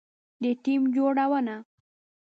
د ټیم جوړونه